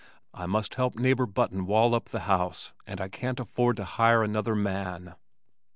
I must help neighbor Button wall up the house and I can't afford to hire another man."